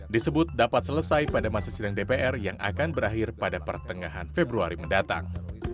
disebut dapat selesai pada masa sidang dpr yang akan berakhir pada pertengahan februari mendatang